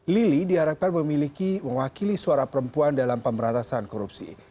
lili diharapkan memiliki mewakili suara perempuan dalam pemberantasan korupsi